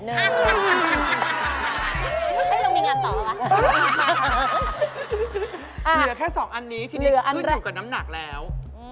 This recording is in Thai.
เหนือแค่สองอันนี้ทีมคืออยู่กับน้ำหนักแล้ว